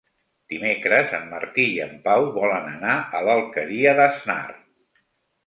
Dimecres en Martí i en Pau volen anar a l'Alqueria d'Asnar.